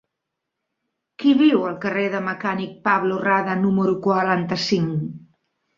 Qui viu al carrer del Mecànic Pablo Rada número quaranta-cinc?